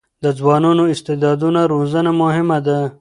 د ځوانو استعدادونو روزنه مهمه ده.